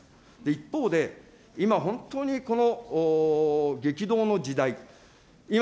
一方で、今、本当にこの激動の時代、今、